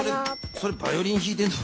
それバイオリンひいてんの？